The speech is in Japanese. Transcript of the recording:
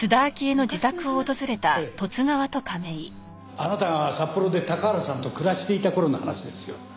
あなたが札幌で高原さんと暮らしていた頃の話ですよ。